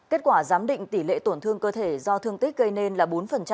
kết quả giám định tỷ lệ tổn thương cơ thể do thương tích gây nên là bốn